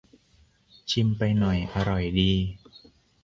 ชิมไปหน่อย อร่อยดี